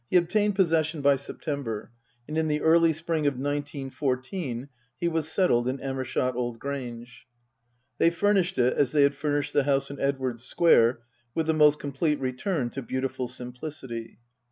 He obtained possession by September, and in the early spring of nineteen fourteen he was settled in Amershott Old Grange. They furnished it as they had furnished the house in Edwardes Square, with the most complete return to beautiful simplicity.